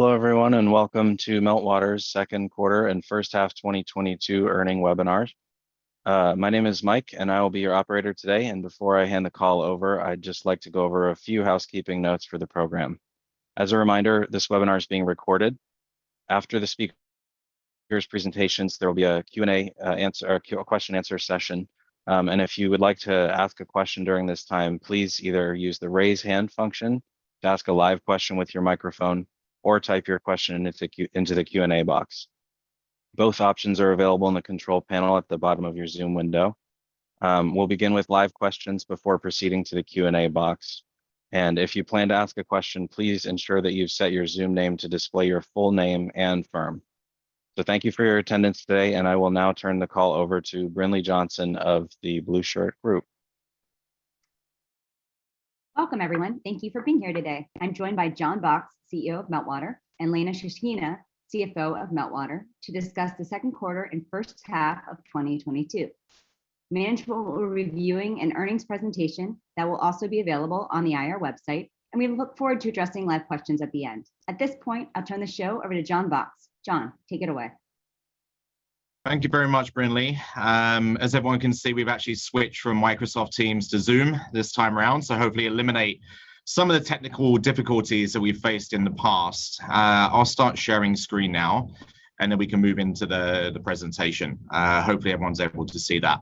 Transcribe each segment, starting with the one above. Hello everyone, and welcome to Meltwater's second quarter and first half 2022 earnings webinar. My name is Mike, and I will be your operator today. Before I hand the call over, I'd just like to go over a few housekeeping notes for the program. As a reminder, this webinar is being recorded. After the speakers' presentations, there will be a Q&A or question and answer session. If you would like to ask a question during this time, please either use the Raise Hand function to ask a live question with your microphone or type your question into the Q&A box. Both options are available in the control panel at the bottom of your Zoom window. We'll begin with live questions before proceeding to the Q&A box. If you plan to ask a question, please ensure that you've set your Zoom name to display your full name and firm. Thank you for your attendance today, and I will now turn the call over to Brinlea Johnson of The Blueshirt Group. Welcome, everyone. Thank you for being here today. I'm joined by John Box, CEO of Meltwater, and Elena Shishkina, CFO of Meltwater, to discuss the second quarter and first half of 2022. Management will be reviewing an earnings presentation that will also be available on the IR website, and we look forward to addressing live questions at the end. At this point, I'll turn the show over to John Box. John, take it away. Thank you very much, Brinlea. As everyone can see, we've actually switched from Microsoft Teams to Zoom this time around, so hopefully eliminate some of the technical difficulties that we've faced in the past. I'll start sharing screen now, and then we can move into the presentation. Hopefully everyone's able to see that.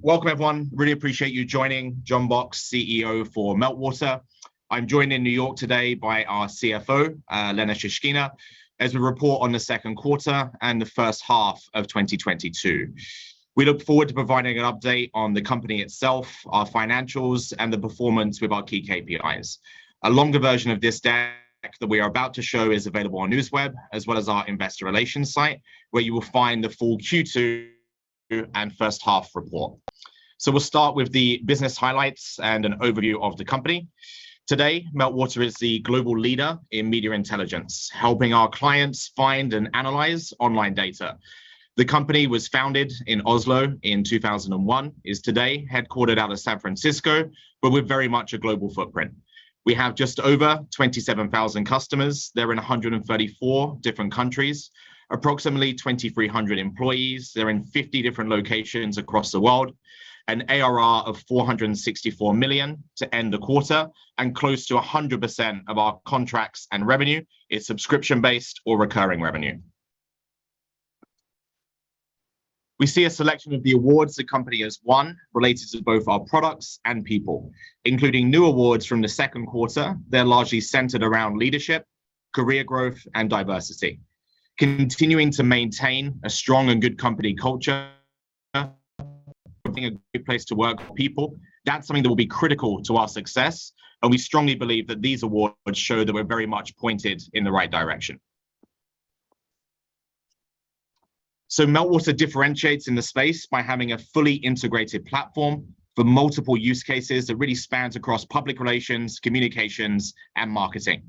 Welcome, everyone. Really appreciate you joining John Box, CEO for Meltwater. I'm joined in New York today by our CFO, Elena Shishkina, as we report on the second quarter and the first half of 2022. We look forward to providing an update on the company itself, our financials, and the performance with our key KPIs. A longer version of this deck that we are about to show is available on NewsWeb, as well as our investor relations site, where you will find the full Q2 and first half report. We'll start with the business highlights and an overview of the company. Today, Meltwater is the global leader in media intelligence, helping our clients find and analyze online data. The company was founded in Oslo in 2001. It is today headquartered out of San Francisco, but with very much a global footprint. We have just over 27,000 customers. They're in 134 different countries. Approximately 2,300 employees. They're in 50 different locations across the world. An ARR of 464 million to end the quarter. Close to 100% of our contracts and revenue is subscription-based or recurring revenue. We see a selection of the awards the company has won related to both our products and people, including new awards from the second quarter. They're largely centered around leadership, career growth, and diversity. Continuing to maintain a strong and good company culture, being a good place to work for people, that's something that will be critical to our success, and we strongly believe that these awards show that we're very much pointed in the right direction. Meltwater differentiates in the space by having a fully integrated platform for multiple use cases that really spans across public relations, communications, and marketing.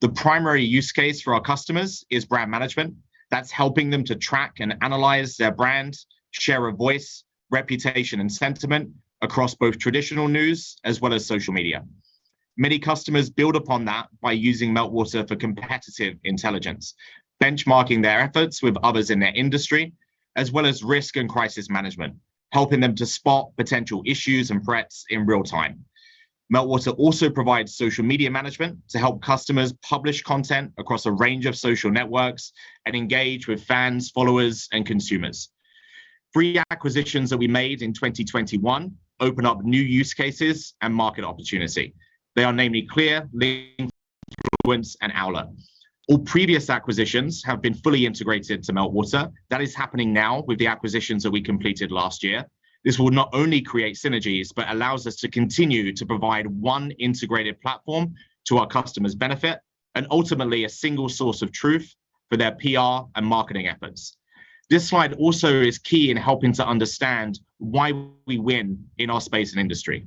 The primary use case for our customers is brand management. That's helping them to track and analyze their brand, share of voice, reputation, and sentiment across both traditional news as well as social media. Many customers build upon that by using Meltwater for competitive intelligence, benchmarking their efforts with others in their industry, as well as risk and crisis management, helping them to spot potential issues and threats in real time. Meltwater also provides social media management to help customers publish content across a range of social networks and engage with fans, followers, and consumers. Three acquisitions that we made in 2021 open up new use cases and market opportunity. They are namely Klear, Linkfluence, and Owler. All previous acquisitions have been fully integrated to Meltwater. That is happening now with the acquisitions that we completed last year. This will not only create synergies, but allows us to continue to provide one integrated platform to our customers' benefit and ultimately a single source of truth for their PR and marketing efforts. This slide also is key in helping to understand why we win in our space and industry.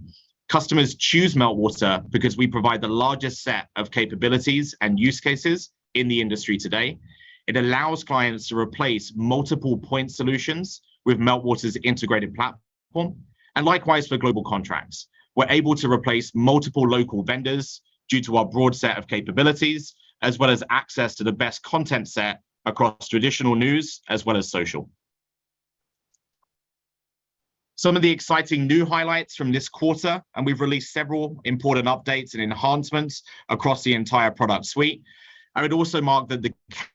Customers choose Meltwater because we provide the largest set of capabilities and use cases in the industry today. It allows clients to replace multiple point solutions with Meltwater's integrated platform. Likewise, for global contracts, we're able to replace multiple local vendors due to our broad set of capabilities as well as access to the best content set across traditional news as well as social. Some of the exciting new highlights from this quarter, and we've released several important updates and enhancements across the entire product suite. I would also mark that the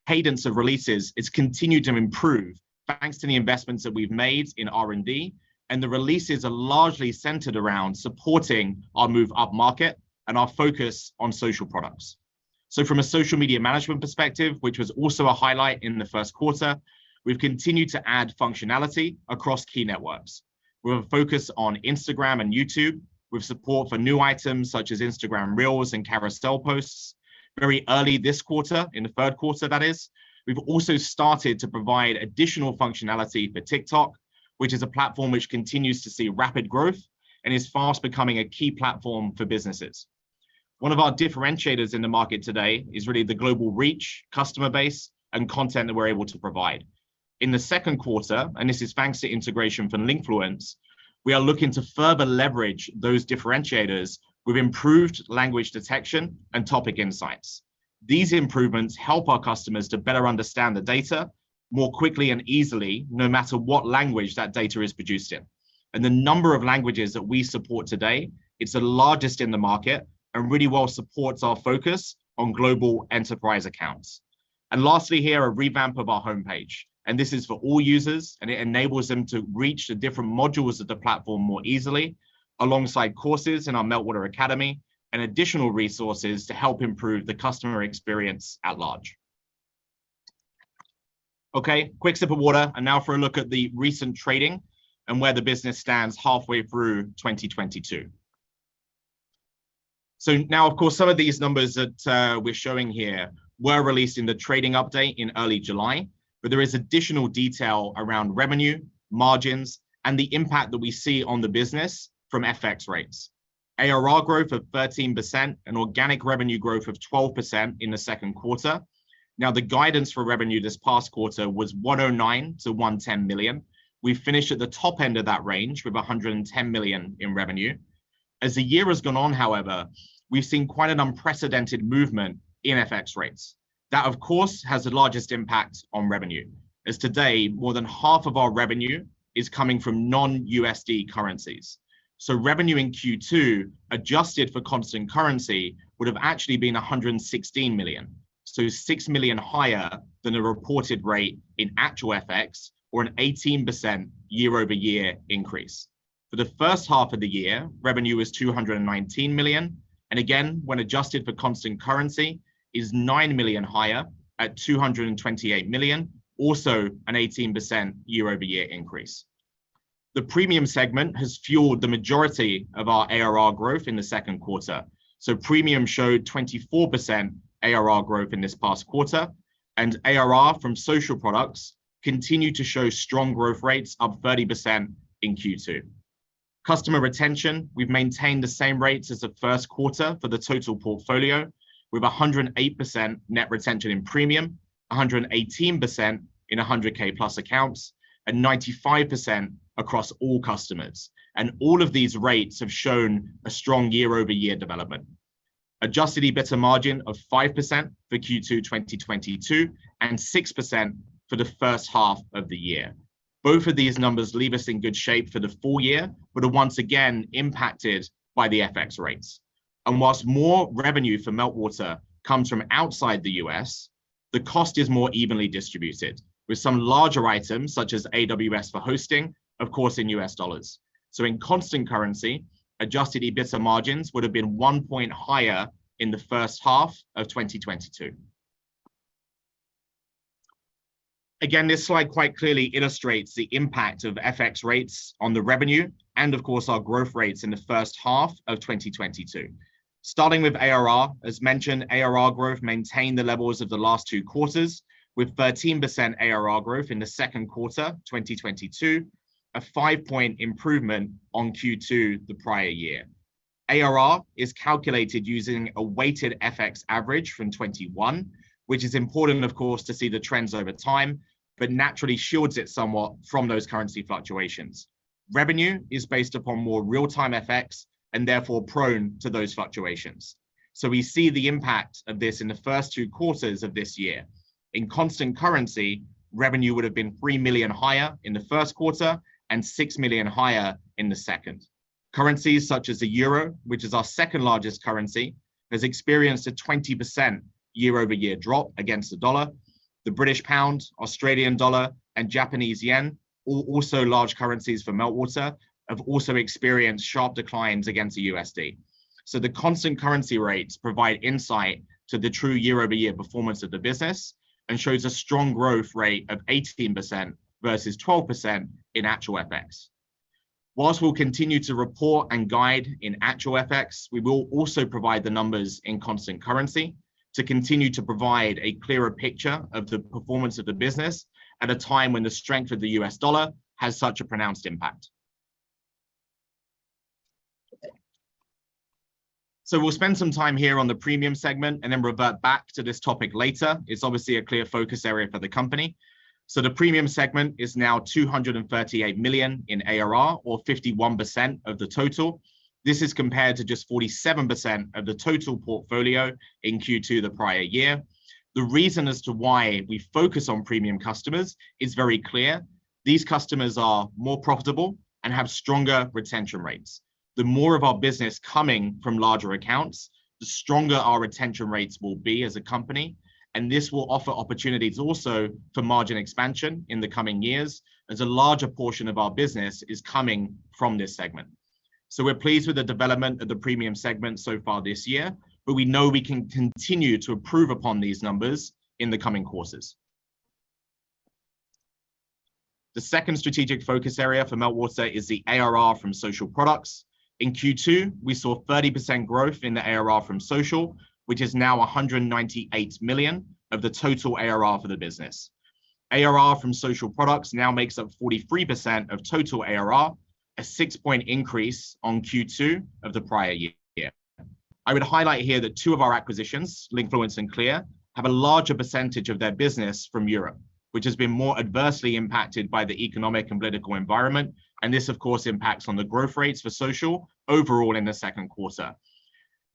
cadence of releases has continued to improve thanks to the investments that we've made in R&D, and the releases are largely centered around supporting our move upmarket and our focus on social products. From a social media management perspective, which was also a highlight in the first quarter, we've continued to add functionality across key networks. We're focused on Instagram and YouTube with support for new items such as Instagram Reels and Carousel posts very early this quarter, in the third quarter, that is. We've also started to provide additional functionality for TikTok, which is a platform which continues to see rapid growth and is fast becoming a key platform for businesses. One of our differentiators in the market today is really the global reach, customer base, and content that we're able to provide. In the second quarter, and this is thanks to integration from Linkfluence, we are looking to further leverage those differentiators with improved language detection and topic insights. These improvements help our customers to better understand the data more quickly and easily, no matter what language that data is produced in. The number of languages that we support today, it's the largest in the market and really well supports our focus on global enterprise accounts. Lastly here, a revamp of our homepage. This is for all users, and it enables them to reach the different modules of the platform more easily alongside courses in our Meltwater Academy and additional resources to help improve the customer experience at large. Okay, quick sip of water. Now for a look at the recent trading and where the business stands halfway through 2022. Now of course, some of these numbers that we're showing here were released in the trading update in early July, but there is additional detail around revenue, margins, and the impact that we see on the business from FX rates. ARR growth of 13% and organic revenue growth of 12% in the second quarter. The guidance for revenue this past quarter was 109 million-110 million. We finished at the top end of that range with $110 million in revenue. As the year has gone on, however, we've seen quite an unprecedented movement in FX rates. That, of course, has the largest impact on revenue, as today, more than half of our revenue is coming from non-USD currencies. Revenue in Q2, adjusted for constant currency, would've actually been $116 million. Six million higher than the reported rate in actual FX or an 18% year-over-year increase. For the first half of the year, revenue was $219 million, and again, when adjusted for constant currency, is $9 million higher at $228 million, also an 18% year-over-year increase. The Premium segment has fueled the majority of our ARR growth in the second quarter. Premium showed 24% ARR growth in this past quarter, and ARR from social products continued to show strong growth rates, up 30% in Q2. Customer retention, we've maintained the same rates as the first quarter for the total portfolio with 108% net retention in premium, 118% in 100K+ accounts, and 95% across all customers. All of these rates have shown a strong year-over-year development. Adjusted EBITDA margin of 5% for Q2 2022 and 6% for the first half of the year. Both of these numbers leave us in good shape for the full year, but are once again impacted by the FX rates. While more revenue for Meltwater comes from outside the U.S., the cost is more evenly distributed, with some larger items such as AWS for hosting, of course, in U.S. dollars. In constant currency, Adjusted EBITDA margins would've been 1 point higher in the first half of 2022. Again, this slide quite clearly illustrates the impact of FX rates on the revenue and of course our growth rates in the first half of 2022. Starting with ARR, as mentioned, ARR growth maintained the levels of the last two quarters with 13% ARR growth in the second quarter 2022, a 5-point improvement on Q2 the prior year. ARR is calculated using a weighted FX average from 2021, which is important of course to see the trends over time, but naturally shields it somewhat from those currency fluctuations. Revenue is based upon more real-time FX and therefore prone to those fluctuations. We see the impact of this in the first two quarters of this year. In constant currency, revenue would've been $3 million higher in the first quarter and $6 million higher in the second. Currencies such as the euro, which is our second-largest currency, has experienced a 20% year-over-year drop against the dollar. The British pound, Australian dollar, and Japanese yen, also large currencies for Meltwater, have also experienced sharp declines against the USD. The constant currency rates provide insight to the true year-over-year performance of the business and shows a strong growth rate of 18% versus 12% in actual FX. While we'll continue to report and guide in actual FX, we will also provide the numbers in constant currency to continue to provide a clearer picture of the performance of the business at a time when the strength of the U.S. dollar has such a pronounced impact. We'll spend some time here on the Premium segment and then revert back to this topic later. It's obviously a clear focus area for the company. The Premium segment is now 238 million in ARR or 51% of the total. This is compared to just 47% of the total portfolio in Q2 the prior year. The reason as to why we focus on premium customers is very clear. These customers are more profitable and have stronger retention rates. The more of our business coming from larger accounts, the stronger our retention rates will be as a company, and this will offer opportunities also for margin expansion in the coming years as a larger portion of our business is coming from this segment. We're pleased with the development of the Premium segment so far this year, but we know we can continue to improve upon these numbers in the coming quarters. The second strategic focus area for Meltwater is the ARR from social products. In Q2, we saw 30% growth in the ARR from social, which is now 198 million of the total ARR for the business. ARR from social products now makes up 43% of total ARR, a 6-point increase on Q2 of the prior year. I would highlight here that two of our acquisitions, Linkfluence and Klear, have a larger percentage of their business from Europe, which has been more adversely impacted by the economic and political environment, and this of course impacts on the growth rates for social overall in the second quarter.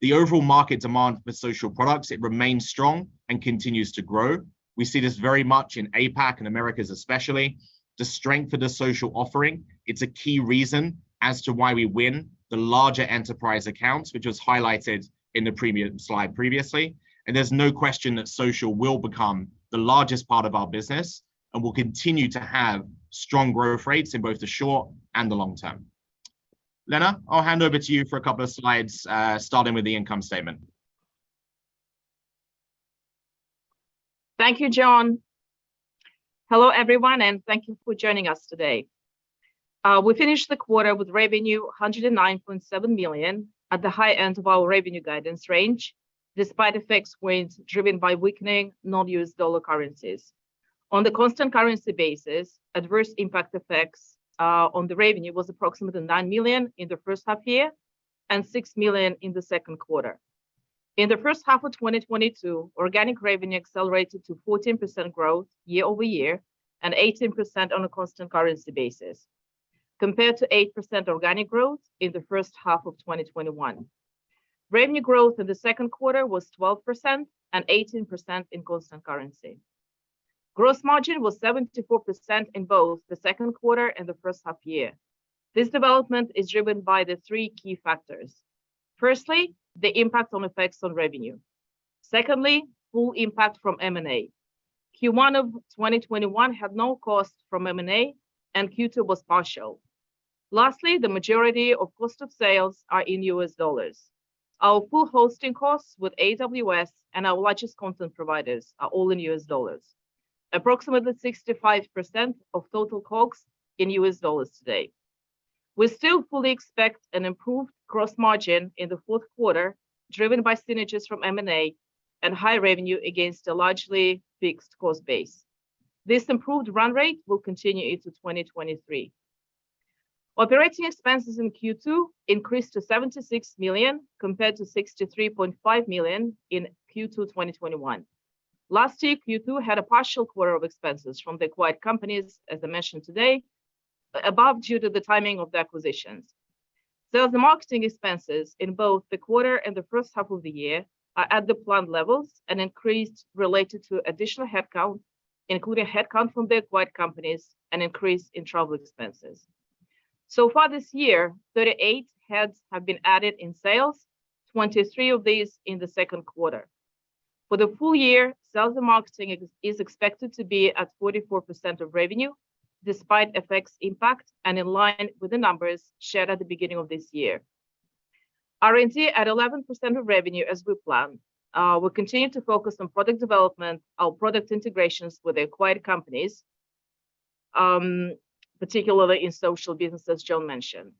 The overall market demand for social products, it remains strong and continues to grow. We see this very much in APAC and Americas especially. The strength of the social offering, it's a key reason as to why we win the larger enterprise accounts, which was highlighted in the premium slide previously. There's no question that social will become the largest part of our business and will continue to have strong growth rates in both the short and the long term. Lena, I'll hand over to you for a couple of slides, starting with the income statement. Thank you, John. Hello, everyone, and thank you for joining us today. We finished the quarter with revenue $109.7 million at the high end of our revenue guidance range, despite FX headwinds driven by weakening non-U.S. dollar currencies. On a constant currency basis, the adverse FX impact on the revenue was approximately $9 million in the first half year and $6 million in the second quarter. In the first half of 2022, organic revenue accelerated to 14% growth year-over-year and 18% on a constant currency basis compared to 8% organic growth in the first half of 2021. Revenue growth in the second quarter was 12% and 18% in constant currency. Gross margin was 74% in both the second quarter and the first half year. This development is driven by the three key factors. Firstly, the impact of FX on revenue. Secondly, full impact from M&A. Q1 of 2021 had no cost from M&A, and Q2 was partial. Lastly, the majority of cost of sales are in U.S. dollars. Our full hosting costs with AWS and our largest content providers are all in U.S. dollars. Approximately 65% of total COGS in U.S. dollars today. We still fully expect an improved gross margin in the fourth quarter, driven by synergies from M&A and higher revenue against a largely fixed cost base. This improved run rate will continue into 2023. Operating expenses in Q2 increased to 76 million compared to 63.5 million in Q2 2021. Last year, Q2 had a partial quarter of expenses from the acquired companies, as I mentioned, the above is due to the timing of the acquisitions. Sales and marketing expenses in both the quarter and the first half of the year are at the planned levels and increased related to additional headcount, including headcount from the acquired companies and increase in travel expenses. So far this year, 38 heads have been added in sales, 23 of these in the second quarter. For the full year, sales and marketing expenses are expected to be at 44% of revenue despite FX impact and in line with the numbers shared at the beginning of this year. R&D at 11% of revenue as we planned. We'll continue to focus on product development, our product integrations with acquired companies, particularly in social business, as John mentioned.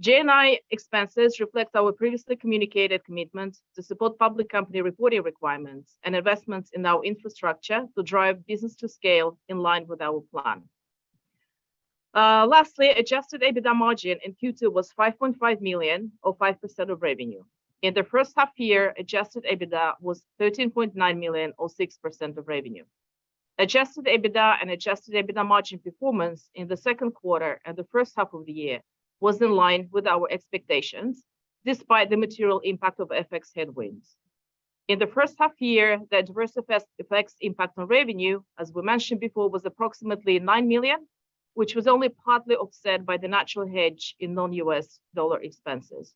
G&A expenses reflect our previously communicated commitment to support public company reporting requirements and investments in our infrastructure to drive business to scale in line with our plan. Lastly, Adjusted EBITDA margin in Q2 was 5.5 million or 5% of revenue. In the first half year, Adjusted EBITDA was 13.9 million or 6% of revenue. Adjusted EBITDA and Adjusted EBITDA margin performance in the second quarter and the first half of the year was in line with our expectations despite the material impact of FX headwinds. In the first half year, FX impact on revenue, as we mentioned before, was approximately 9 million, which was only partly offset by the natural hedge in non-U.S. dollar expenses.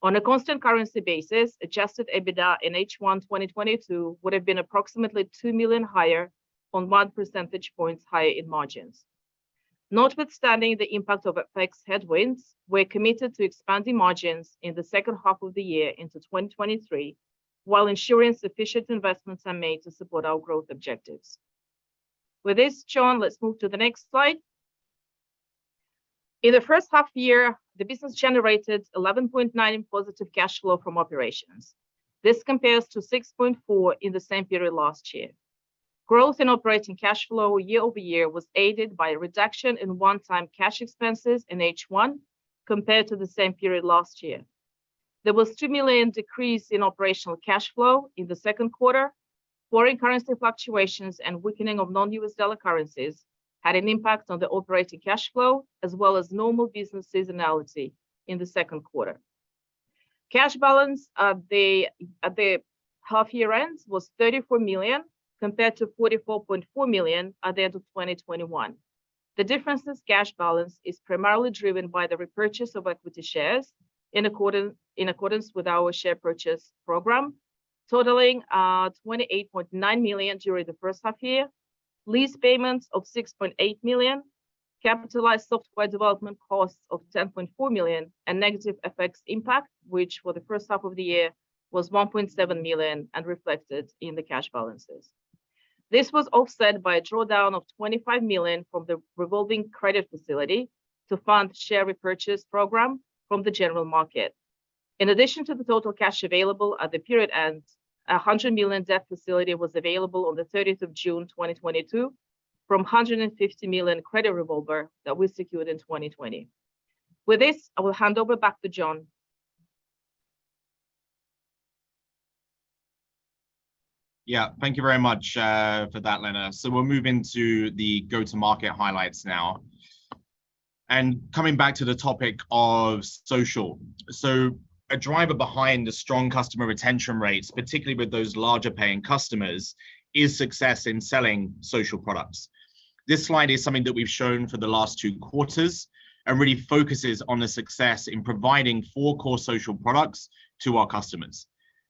On a constant currency basis, Adjusted EBITDA in H1 2022 would have been approximately 2 million higher or one percentage point higher in margins. Notwithstanding the impact of FX headwinds, we're committed to expanding margins in the second half of the year into 2023, while ensuring sufficient investments are made to support our growth objectives. With this, John, let's move to the next slide. In the first half year, the business generated 11.9 million in positive cash flow from operations. This compares to 6.4 million in the same period last year. Growth in operating cash flow year-over-year was aided by a reduction in one-time cash expenses in H1 compared to the same period last year. There was 2 million decrease in operational cash flow in the second quarter. Foreign currency fluctuations and weakening of non-U.S. dollar currencies had an impact on the operating cash flow as well as normal business seasonality in the second quarter. Cash balance at the half year end was 34 million compared to 44.4 million at the end of 2021. The difference in cash balance is primarily driven by the repurchase of equity shares in accordance with our share purchase program, totaling 28.9 million during the first half year, lease payments of 6.8 million, capitalized software development costs of 10.4 million, and negative FX impact, which for the first half of the year was 1.7 million and reflected in the cash balances. This was offset by a drawdown of 25 million from the revolving credit facility to fund share repurchase program from the general market. In addition to the total cash available at the period end, 100 million debt facility was available on the 30th of June 2022. From 150 million credit revolver that we secured in 2020. With this, I will hand over back to John Box. Yeah, thank you very much, for that, Lena. We'll move into the go-to-market highlights now. Coming back to the topic of social. A driver behind the strong customer retention rates, particularly with those larger paying customers, is success in selling social products. This slide is something that we've shown for the last two quarters and really focuses on the success in providing four core social products to our customers.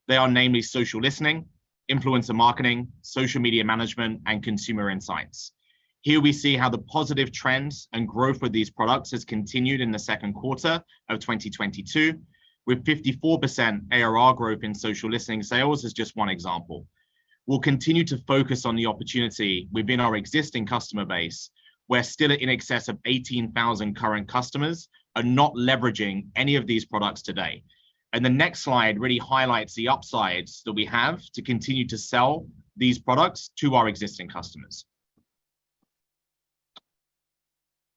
They are namely social listening, influencer marketing, social media management, and consumer insights. Here we see how the positive trends and growth with these products has continued in the second quarter of 2022, with 54% ARR growth in social listening sales is just one example. We'll continue to focus on the opportunity within our existing customer base, where still in excess of 18,000 current customers are not leveraging any of these products today. The next slide really highlights the upsides that we have to continue to sell these products to our existing customers.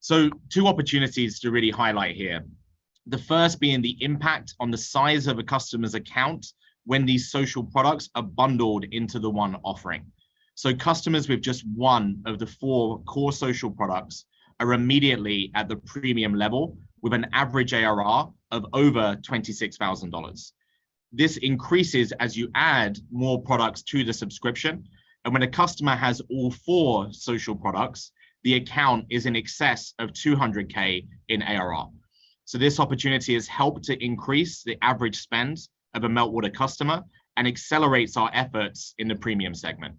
Two opportunities to really highlight here. The first being the impact on the size of a customer's account when these social products are bundled into the one offering. Customers with just one of the four core social products are immediately at the premium level with an average ARR of over $26,000. This increases as you add more products to the subscription, and when a customer has all four social products, the account is in excess of $200K in ARR. This opportunity has helped to increase the average spend of a Meltwater customer and accelerates our efforts in the Premium segment.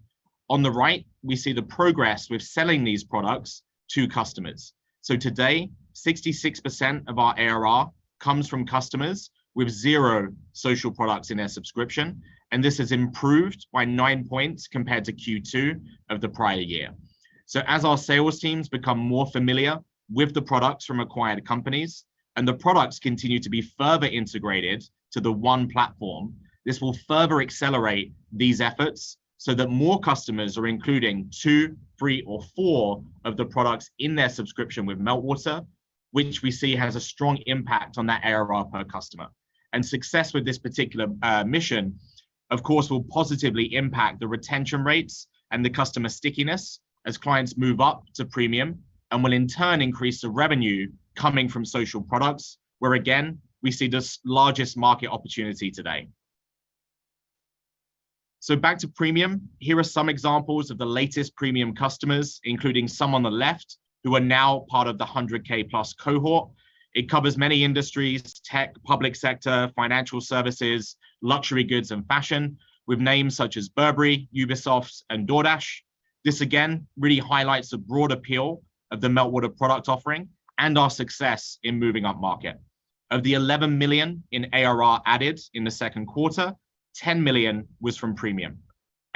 On the right, we see the progress with selling these products to customers. Today, 66% of our ARR comes from customers with zero social products in their subscription, and this has improved by 9 points compared to Q2 of the prior year. As our sales teams become more familiar with the products from acquired companies and the products continue to be further integrated to the one platform, this will further accelerate these efforts so that more customers are including two, three or four of the products in their subscription with Meltwater, which we see has a strong impact on that ARR per customer. Success with this particular mission, of course, will positively impact the retention rates and the customer stickiness as clients move up to premium and will in turn increase the revenue coming from social products, where again, we see this largest market opportunity today. Back to Premium. Here are some examples of the latest premium customers, including some on the left who are now part of the 100K+ cohort. It covers many industries, tech, public sector, financial services, luxury goods and fashion, with names such as Burberry, Ubisoft, and DoorDash. This again really highlights the broad appeal of the Meltwater product offering and our success in moving upmarket. Of the $11 million in ARR added in the second quarter, $10 million was from Premium.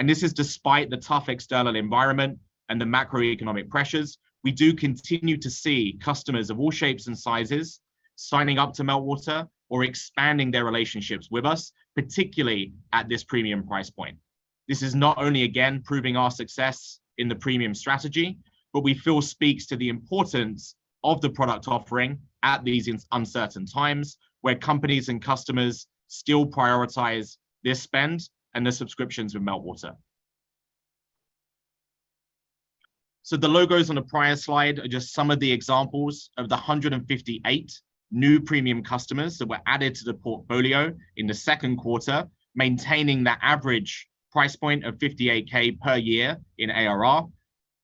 This is despite the tough external environment and the macroeconomic pressures. We do continue to see customers of all shapes and sizes signing up to Meltwater or expanding their relationships with us, particularly at this premium price point. This is not only again proving our success in the Premium strategy, but we feel speaks to the importance of the product offering at these uncertain times where companies and customers still prioritize their spend and their subscriptions with Meltwater. The logos on the prior slide are just some of the examples of the 158 new premium customers that were added to the portfolio in the second quarter, maintaining the average price point of $58K per year in ARR.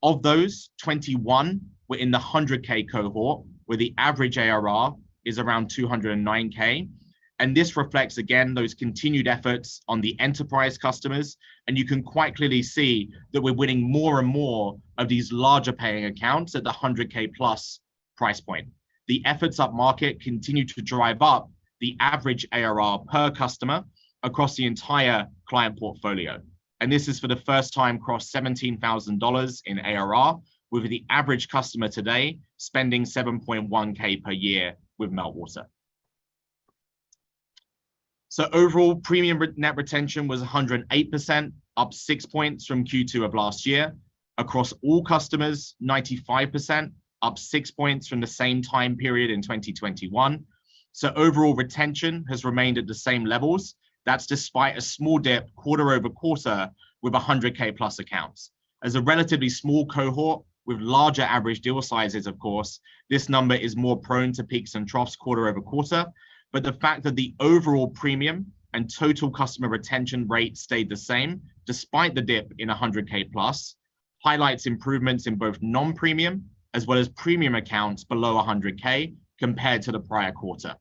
Of those, 21 were in the 100K cohort, where the average ARR is around $209K. This reflects again those continued efforts on the enterprise customers, and you can quite clearly see that we're winning more and more of these larger paying accounts at the 100K plus price point. The efforts up market continue to drive up the average ARR per customer across the entire client portfolio. This is for the first time crossed $17,000 in ARR, with the average customer today spending $7.1K per year with Meltwater. Overall premium net retention was 108%, up 6 points from Q2 of last year. Across all customers, 95%, up 6 points from the same time period in 2021. Overall retention has remained at the same levels. That's despite a small dip quarter-over-quarter with 100K+ accounts. As a relatively small cohort with larger average deal sizes, of course, this number is more prone to peaks and troughs quarter-over-quarter. The fact that the overall premium and total customer retention rate stayed the same despite the dip in 100K plus highlights improvements in both non-premium as well as premium accounts below 100K compared to the prior quarter.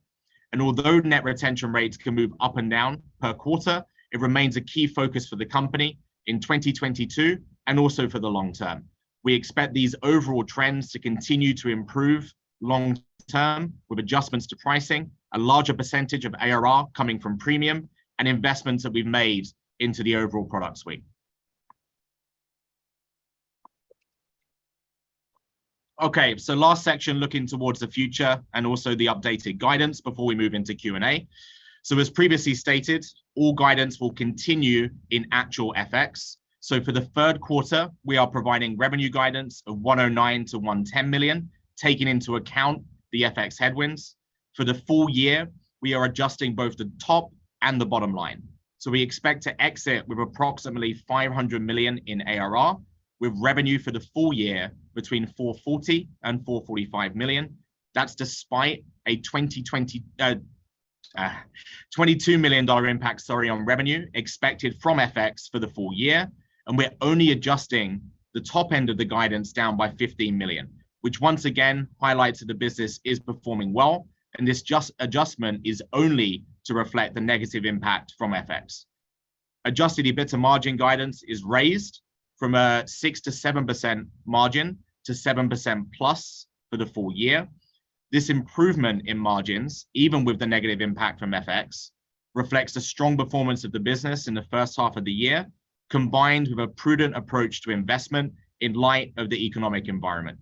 Although net retention rates can move up and down per quarter, it remains a key focus for the company in 2022 and also for the long term. We expect these overall trends to continue to improve long term with adjustments to pricing, a larger percentage of ARR coming from premium and investments that we've made into the overall product suite. Okay, last section, looking towards the future and also the updated guidance before we move into Q&A. As previously stated, all guidance will continue in actual FX. For the third quarter, we are providing revenue guidance of 109-110 million, taking into account the FX headwinds. For the full year, we are adjusting both the top and the bottom line. We expect to exit with approximately 500 million in ARR, with revenue for the full year between 440-445 million. That's despite a $22 million impact on revenue expected from FX for the full year. We're only adjusting the top end of the guidance down by $15 million, which once again highlights that the business is performing well, and this adjustment is only to reflect the negative impact from FX. Adjusted EBITDA margin guidance is raised from a 6%-7% margin to 7%+ for the full year. This improvement in margins, even with the negative impact from FX, reflects the strong performance of the business in the first half of the year, combined with a prudent approach to investment in light of the economic environment.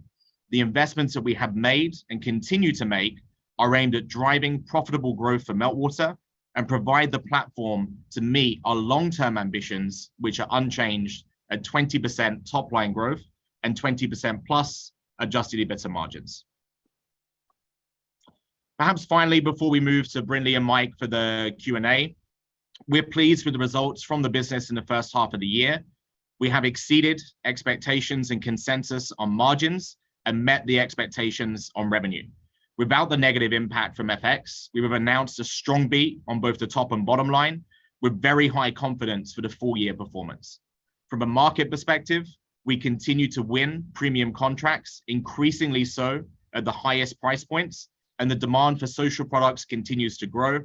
The investments that we have made and continue to make are aimed at driving profitable growth for Meltwater and provide the platform to meet our long-term ambitions, which are unchanged at 20% top line growth and 20%+ Adjusted EBITDA margins. Perhaps finally, before we move to Brinlea and Mike for the Q&A, we're pleased with the results from the business in the first half of the year. We have exceeded expectations and consensus on margins and met the expectations on revenue. Without the negative impact from FX, we have announced a strong beat on both the top and bottom line with very high confidence for the full year performance. From a market perspective, we continue to win premium contracts, increasingly so at the highest price points, and the demand for social products continues to grow.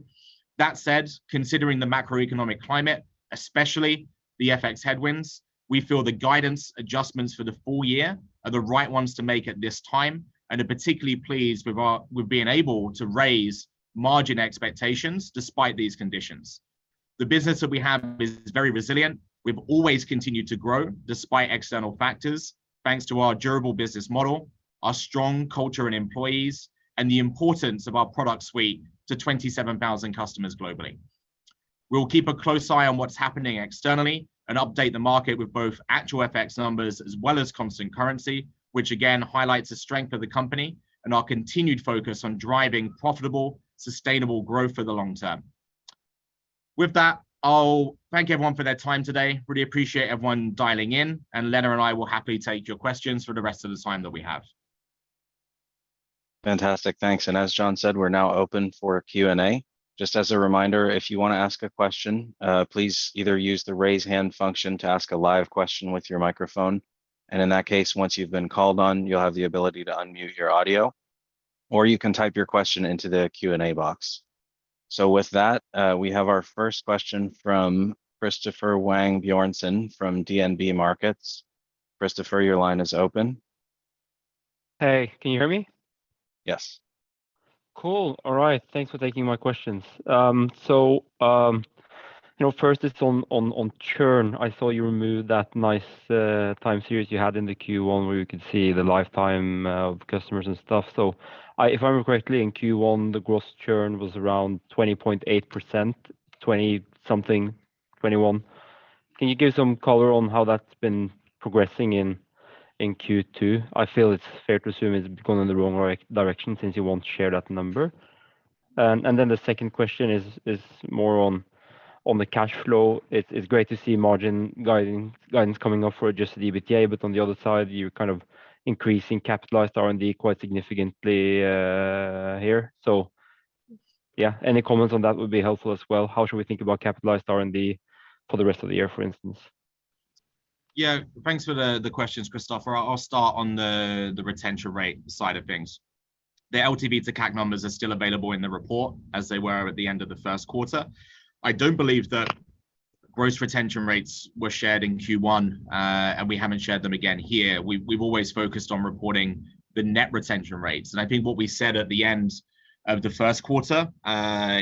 That said, considering the macroeconomic climate, especially the FX headwinds, we feel the guidance adjustments for the full year are the right ones to make at this time, and are particularly pleased with being able to raise margin expectations despite these conditions. The business that we have is very resilient. We've always continued to grow despite external factors thanks to our durable business model, our strong culture and employees, and the importance of our product suite to 27,000 customers globally. We'll keep a close eye on what's happening externally and update the market with both actual FX numbers as well as constant currency, which again highlights the strength of the company and our continued focus on driving profitable, sustainable growth for the long term. With that, I'll thank everyone for their time today. Really appreciate everyone dialing in, and Lena and I will happily take your questions for the rest of the time that we have. Fantastic. Thanks. As John said, we're now open for Q&A. Just as a reminder, if you want to ask a question, please either use the Raise Hand function to ask a live question with your microphone, and in that case, once you've been called on, you'll have the ability to unmute your audio, or you can type your question into the Q&A box. With that, we have our first question from Christoffer Wang Bjørnsen from DNB Markets. Christoffer, your line is open. Hey, can you hear me? Yes. Cool. All right. Thanks for taking my questions. So, you know, first it's on churn. I saw you removed that nice time series you had in the Q1 where we could see the lifetime of customers and stuff. If I remember correctly, in Q1, the gross churn was around 20.8%, 20-something, 21%. Can you give some color on how that's been progressing in Q2? I feel it's fair to assume it's gone in the wrong direction since you won't share that number. The second question is more on the cash flow. It's great to see margin guidance coming up for Adjusted EBITDA, but on the other side, you're kind of increasing capitalized R&D quite significantly here. Yeah, any comments on that would be helpful as well. How should we think about capitalized R&D for the rest of the year, for instance? Thanks for the questions, Christoffer. I'll start on the retention rate side of things. The LTV to CAC numbers are still available in the report as they were at the end of the first quarter. I don't believe that gross retention rates were shared in Q1, and we haven't shared them again here. We've always focused on reporting the net retention rates. I think what we said at the end of the first quarter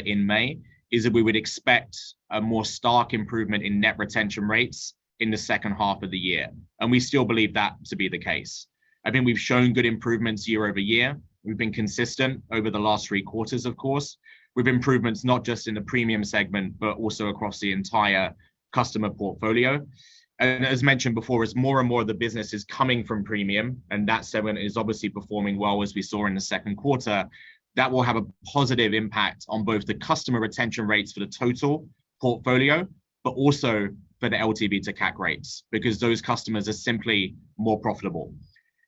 in May is that we would expect a more stark improvement in net retention rates in the second half of the year, and we still believe that to be the case. I think we've shown good improvements year-over-year. We've been consistent over the last three quarters, of course, with improvements not just in the Premium segment, but also across the entire customer portfolio. As mentioned before, as more and more of the business is coming from Premium, and that segment is obviously performing well as we saw in the second quarter, that will have a positive impact on both the customer retention rates for the total portfolio, but also for the LTV to CAC rates, because those customers are simply more profitable.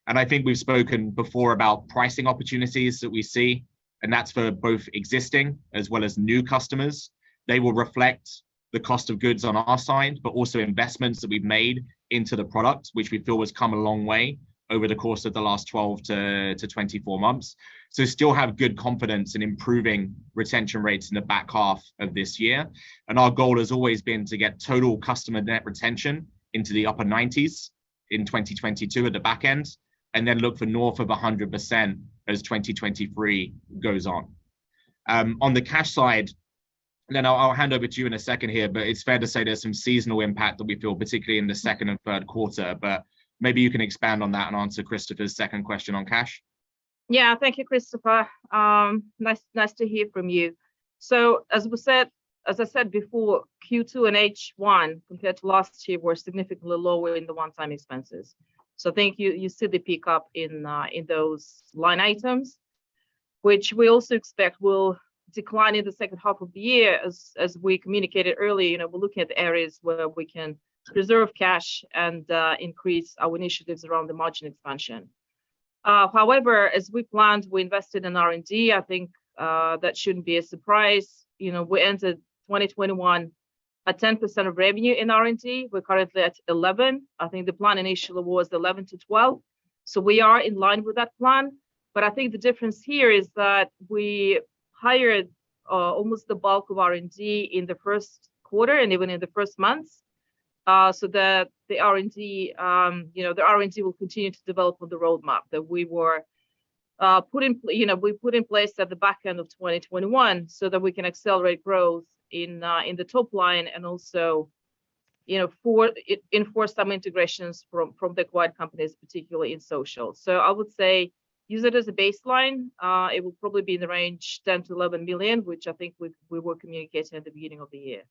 I think we've spoken before about pricing opportunities that we see, and that's for both existing as well as new customers. They will reflect the cost of goods on our side, but also investments that we've made into the product, which we feel has come a long way over the course of the last 12-24 months. Still have good confidence in improving retention rates in the back half of this year. Our goal has always been to get total customer net retention into the upper 90s in 2022 at the back end, and then look for north of 100% as 2023 goes on. On the cash side, Lena I'll hand over to you in a second here, but it's fair to say there's some seasonal impact that we feel, particularly in the second and third quarter, but maybe you can expand on that and answer Christoffer's second question on cash. Yeah. Thank you, Christoffer. Nice to hear from you. As I said before, Q2 and H1, compared to last year, were significantly lower in the one-time expenses. I think you see the pickup in those line items, which we also expect will decline in the second half of the year as we communicated earlier. You know, we're looking at areas where we can preserve cash and increase our initiatives around the margin expansion. However, as we planned, we invested in R&D. I think that shouldn't be a surprise. You know, we entered 2021 at 10% of revenue in R&D. We're currently at 11%. I think the plan initially was 11%-12%, so we are in line with that plan. I think the difference here is that we hired almost the bulk of R&D in the first quarter and even in the first months, so the R&D, you know, will continue to develop on the roadmap that we put in place at the back end of 2021 so that we can accelerate growth in the top line and also, you know, enforce some integrations from the acquired companies, particularly in social. I would say use it as a baseline. It will probably be in the range 10-11 million, which I think we were communicating at the beginning of the year.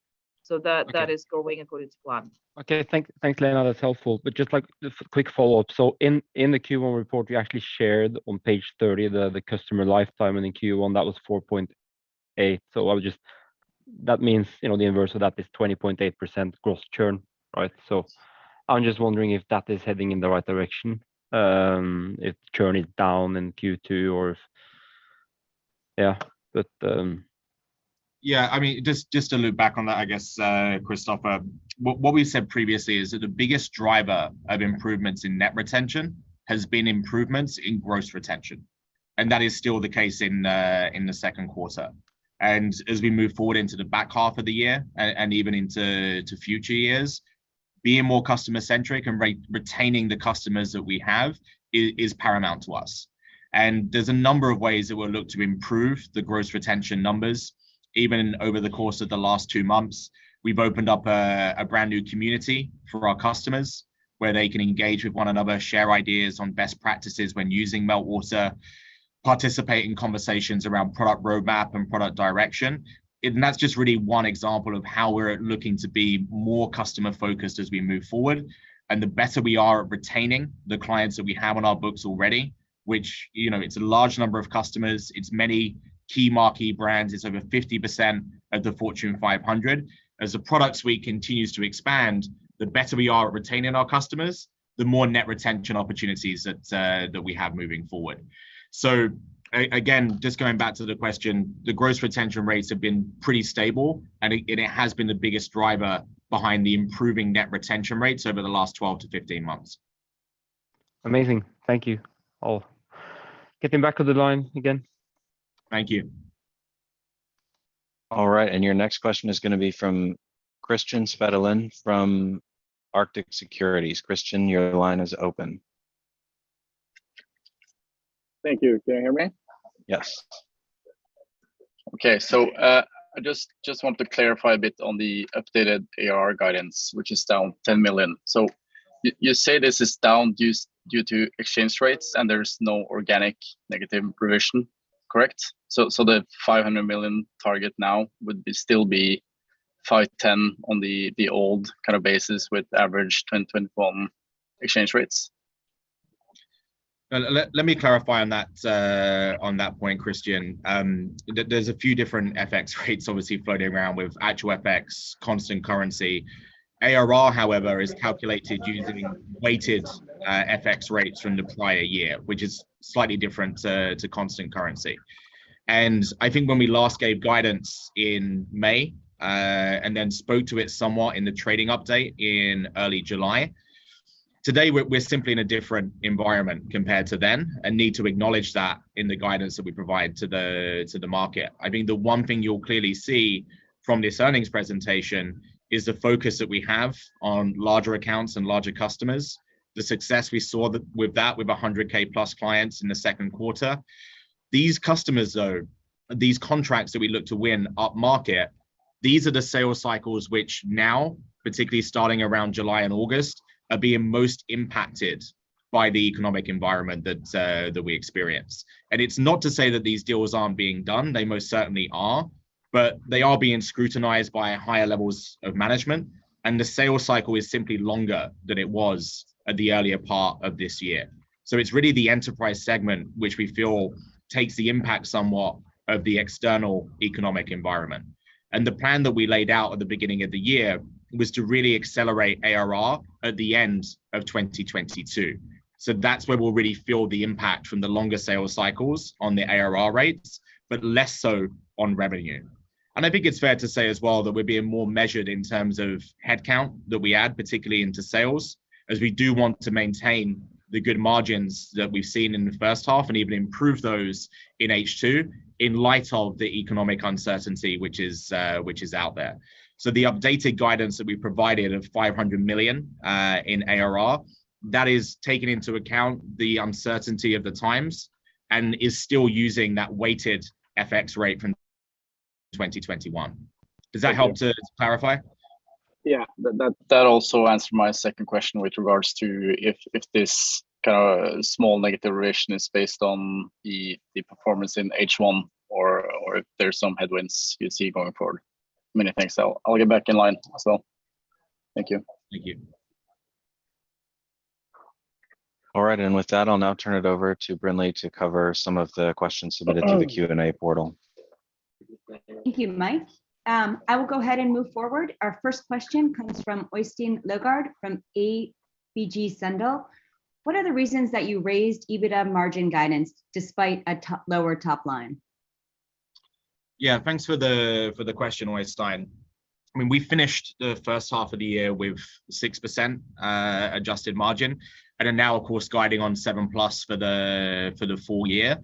Okay. That is going according to plan. Okay. Thanks, Lena. That's helpful. Just a quick follow-up. In the Q1 report, you actually shared on page 30 the customer lifetime in the Q1, that was 4.8. That means, you know, the inverse of that is 20.8% gross churn, right? I'm just wondering if that is heading in the right direction, if churn is down in Q2. Yeah. I mean, just to loop back on that, I guess, Christoffer, what we've said previously is that the biggest driver of improvements in net retention has been improvements in gross retention, and that is still the case in the second quarter. As we move forward into the back half of the year and even into future years, being more customer-centric and retaining the customers that we have is paramount to us. There's a number of ways that we'll look to improve the gross retention numbers. Even over the course of the last two months, we've opened up a brand-new community for our customers where they can engage with one another, share ideas on best practices when using Meltwater, participate in conversations around product roadmap and product direction. That's just really one example of how we're looking to be more customer-focused as we move forward. The better we are at retaining the clients that we have on our books already, which, you know, it's a large number of customers, it's many key marquee brands, it's over 50% of the Fortune 500. As the products suite continues to expand, the better we are at retaining our customers, the more net retention opportunities that we have moving forward. Again, just going back to the question, the gross retention rates have been pretty stable, and it has been the biggest driver behind the improving net retention rates over the last 12-15 months. Amazing. Thank you, all. Getting back to the line again. Thank you. All right, your next question is gonna be from Kristian Spetalen from Arctic Securities. Kristian, your line is open. Thank you. Can you hear me? Yes. Okay. I just want to clarify a bit on the updated ARR guidance, which is down 10 million. You say this is down due to exchange rates, and there's no organic negative revision, correct? The 500 million target now would still be 510 million on the old kind of basis with average 2021 exchange rates. Let me clarify on that point, Kristian. There's a few different FX rates obviously floating around with actual FX, constant currency. ARR, however, is calculated using weighted FX rates from the prior year, which is slightly different to constant currency. I think when we last gave guidance in May and then spoke to it somewhat in the trading update in early July, today we're simply in a different environment compared to then and need to acknowledge that in the guidance that we provide to the market. I think the one thing you'll clearly see from this earnings presentation is the focus that we have on larger accounts and larger customers, the success we saw with our 100K-plus clients in the second quarter. These customers though, these contracts that we look to win upmarket, these are the sales cycles which now, particularly starting around July and August, are being most impacted by the economic environment that we experience. It's not to say that these deals aren't being done, they most certainly are, but they are being scrutinized by higher levels of management, and the sales cycle is simply longer than it was at the earlier part of this year. It's really the Enterprise segment which we feel takes the impact somewhat of the external economic environment. The plan that we laid out at the beginning of the year was to really accelerate ARR at the end of 2022. That's where we'll really feel the impact from the longer sales cycles on the ARR rates, but less so on revenue. I think it's fair to say as well that we're being more measured in terms of headcount that we add, particularly into sales, as we do want to maintain the good margins that we've seen in the first half and even improve those in H2 in light of the economic uncertainty which is out there. The updated guidance that we provided of 500 million in ARR, that is taking into account the uncertainty of the times and is still using that weighted FX rate from 2021. Does that help to clarify? Yeah. That also answered my second question with regards to if this kind of small negative revision is based on the performance in H1 or if there's some headwinds you see going forward. Many thanks though. I'll get back in line as well. Thank you. Thank you. All right, with that I'll now turn it over to Brinlea to cover some of the questions - Hello - submitted through the Q&A portal. Thank you, Mike. I will go ahead and move forward. Our first question comes from Øystein Elton Lodgaard from ABG Sundal Collier. What are the reasons that you raised EBITDA margin guidance despite a lower top line? Yeah. Thanks for the question, Øystein. I mean, we finished the first half of the year with 6% adjusted margin, and are now of course guiding on 7+ for the full year.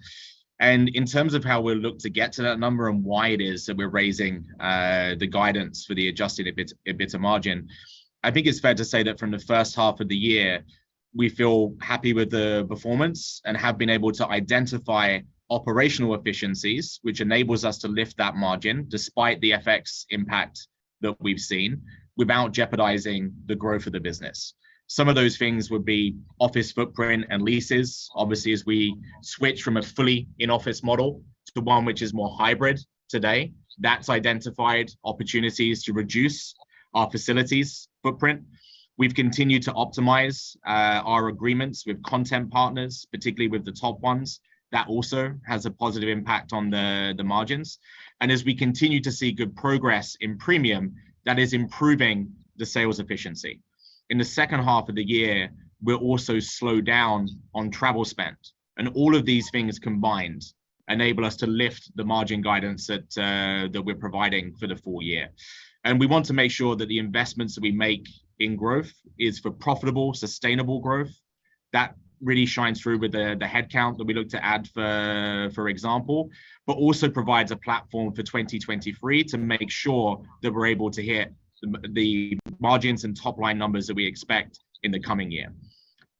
In terms of how we'll look to get to that number and why it is that we're raising the guidance for the Adjusted EBITDA margin, I think it's fair to say that from the first half of the year we feel happy with the performance and have been able to identify operational efficiencies which enables us to lift that margin despite the FX impact that we've seen without jeopardizing the growth of the business. Some of those things would be office footprint and leases. Obviously, as we switch from a fully in-office model to one which is more hybrid today, that's identified opportunities to reduce our facilities footprint. We've continued to optimize our agreements with content partners, particularly with the top ones. That also has a positive impact on the margins. As we continue to see good progress in Premium, that is improving the sales efficiency. In the second half of the year, we'll also slow down on travel spend. All of these things combined enable us to lift the margin guidance that we're providing for the full year. We want to make sure that the investments that we make in growth is for profitable, sustainable growth. That really shines through with the head count that we look to add for example, but also provides a platform for 2023 to make sure that we're able to hit the margins and top line numbers that we expect in the coming year.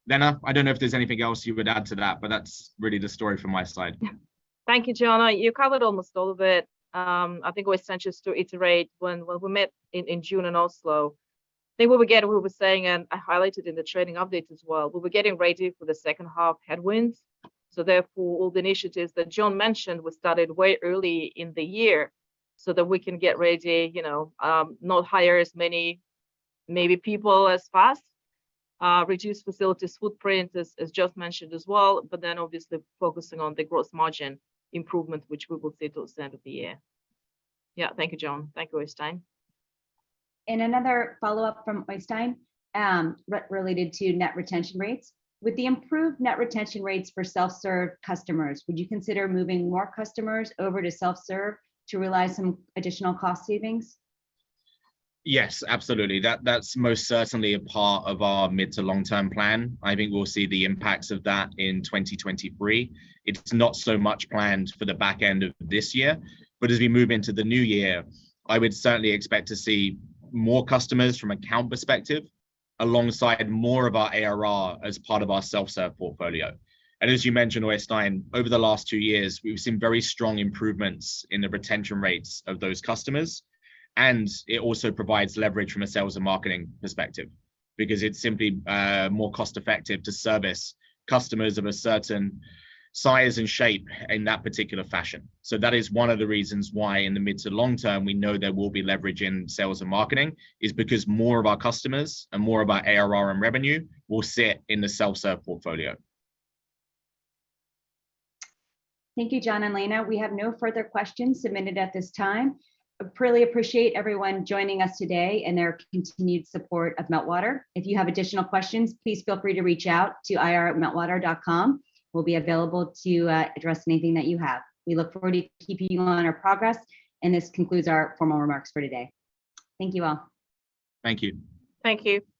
Lena, I don't know if there's anything else you would add to that, but that's really the story from my side. Yeah. Thank you, John. You covered almost all of it. I think it was essential to iterate when we met in June in Oslo. I think what we're saying, and I highlighted in the trading update as well, we were getting ready for the second half headwinds, so therefore all the initiatives that John mentioned was started way early in the year so that we can get ready, you know, not hire as many maybe people as fast, reduce facilities footprint as John's mentioned as well, but then obviously focusing on the growth margin improvement which we will see towards the end of the year. Yeah. Thank you, John. Thank you, Øystein. Another follow-up from Øystein, related to net retention rates. With the improved net retention rates for self-serve customers, would you consider moving more customers over to self-serve to realize some additional cost savings? Yes, absolutely. That's most certainly a part of our mid to long-term plan. I think we'll see the impacts of that in 2023. It's not so much planned for the back end of this year, but as we move into the new year, I would certainly expect to see more customers from account perspective alongside more of our ARR as part of our self-serve portfolio. As you mentioned, Øystein, over the last two years we've seen very strong improvements in the retention rates of those customers, and it also provides leverage from a sales and marketing perspective because it's simply more cost effective to service customers of a certain size and shape in that particular fashion. That is one of the reasons why in the mid to long term we know there will be leverage in sales and marketing, is because more of our customers and more of our ARR and revenue will sit in the self-serve portfolio. Thank you, John and Lena. We have no further questions submitted at this time. Really appreciate everyone joining us today and their continued support of Meltwater. If you have additional questions, please feel free to reach out to ir@meltwater.com. We'll be available to address anything that you have. We look forward to keeping you on our progress, and this concludes our formal remarks for today. Thank you all. Thank you. Thank you.